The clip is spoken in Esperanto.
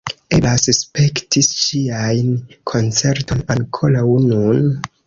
Eblas spekti ŝian koncerton ankoraŭ nun.